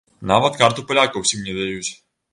Нават карту паляка ўсім не даюць.